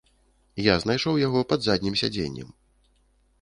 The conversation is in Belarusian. Я знайшоў яго пад заднім сядзеннем.